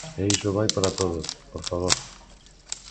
E iso vai para todos, por favor.